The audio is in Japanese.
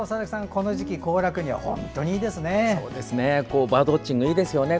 この時期、行楽には本当にいいですね。